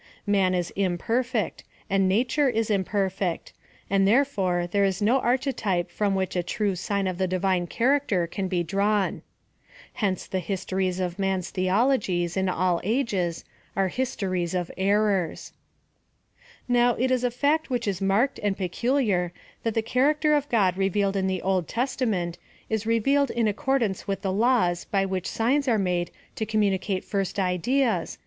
Man is imperfect, and nature is imperfect, and therefore there is no archetype from which a true sign of the Divine character can be drawn. Hence the his tories of man's theologies, in all ages, are histories of errors. Now, it is a fact which is marked and peculiar that the character of God revealed in the Old Tes tament is revealed in accordance with the laws by which signs are made to communicate first ideas, PLAN OF SALVATION.